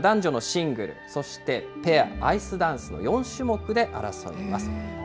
男女のシングル、そしてペア、アイスダンスの４種目で争います。